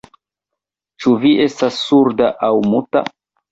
Ĉu vi estas surda aŭ muta?